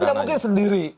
kan tidak mungkin sendiri